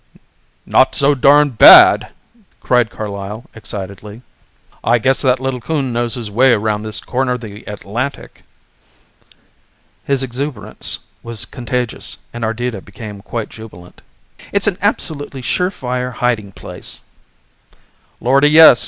"Not so darned bad!" cried Carlyle excitedly. "I guess that little coon knows his way round this corner of the Atlantic." His exuberance was contagious, and Ardita became quite jubilant. "It's an absolutely sure fire hiding place!" "Lordy, yes!